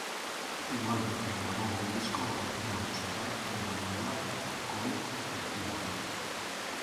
Igualmente grabó un disco con el tema musical de la novela con "El Puma".